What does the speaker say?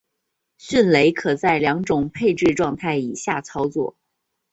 迅雷可在两种配置状态以下操作。